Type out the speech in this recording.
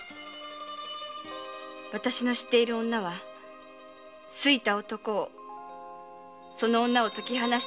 わたしの知っている女は好いた男をその女を解き放したさるお方に殺されたんです。